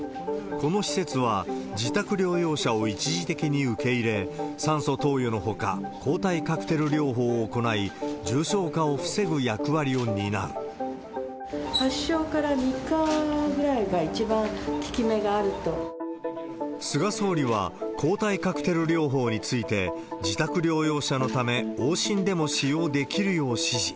この施設は、自宅療養者を一時的に受け入れ、酸素投与のほか、抗体カクテル療法を行い、発症から３日ぐらいが一番効菅総理は、抗体カクテル療法について、自宅療養者のため、往診でも使用できるよう指示。